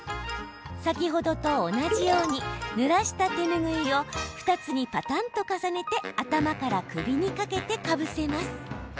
先ほどと同じようにぬらした手ぬぐいを２つに、ぱたんと重ねて頭から首にかけてかぶせます。